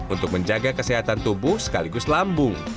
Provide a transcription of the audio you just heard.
untuk menjaga kesehatan tubuh sekaligus lambung